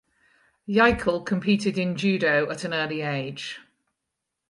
Jaeckel competed in Judo at an early age.